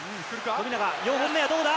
富永、４本目はどうだ？